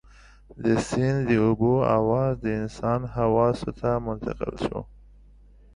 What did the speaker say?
د سيند د اوبو اواز د انسان حواسو ته منتقل شو.